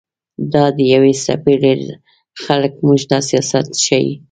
دا د يوې څپېړي خلق موږ ته سياست ښيي